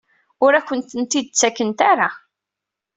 Ur akent-ten-id-ttakent ara?